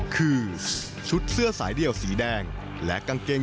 คือชุดเสื้อสายเดี่ยวสีแดง